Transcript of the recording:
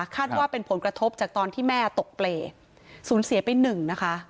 ว่าเป็นผลกระทบจากตอนที่แม่ตกเปรย์สูญเสียไปหนึ่งนะคะ